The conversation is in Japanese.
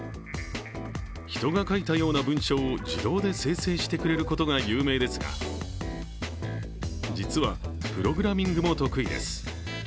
人が書いたような文章を自動で生成してくれることが有名ですが、実はプログラミングも得意です。